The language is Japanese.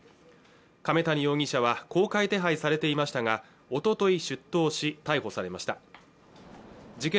亀谷容疑者は公開手配されていましたがおととい出頭し逮捕されました事件